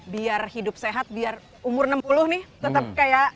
biar hidup sehat biar umur enam puluh nih tetap kayak